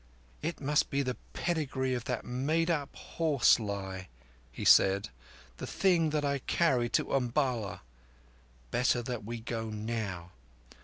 "It must be the pedigree of that made up horse lie," said he, "the thing that I carry to Umballa. Better that we go now.